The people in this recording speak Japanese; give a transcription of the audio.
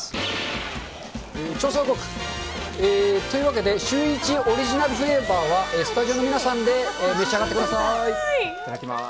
調査報告。というわけで、シューイチオリジナルフレーバーは、スタジオの皆さんで召し上がいただきます。